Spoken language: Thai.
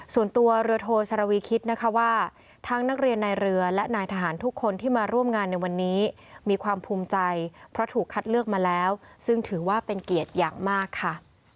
ส่วนตัวเรือโทชรวีคิดนะคะว่าทั้งนักเรียนในเรือและนายทหารทุกคนที่มาร่วมงานในวันนี้มีความภูมิใจเพราะถูกคัดเลือกมาแล้วซึ่งถือว่าเป็นเกียรติอย่างมากค่ะ